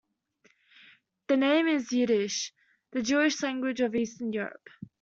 The name is Yiddish, the Jewish language of eastern Europe.